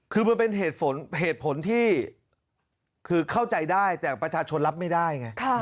คือมันเป็นเหตุผลที่คือเข้าใจได้แต่ประชาชนรับไม่ได้ไง